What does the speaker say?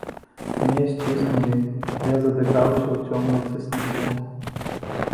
Мяне сціснулі, я задыхаўся ў цёмнай цеснаце.